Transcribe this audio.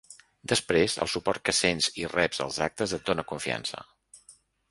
Després, el suport que sents i reps als actes et dóna confiança.